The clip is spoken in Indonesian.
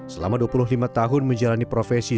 selama dua puluh lima tahun menjalani profesi